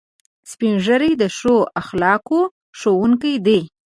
سپین ږیری د ښو اخلاقو ښوونکي دي